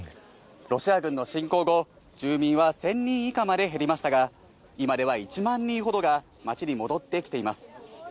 ロシア軍の侵攻後、住民は１０００人以下まで減りましたが、今では１万人ほどが街に戻ってきています。